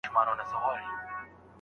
د واده پرېکړه په پټه نه ده سوې.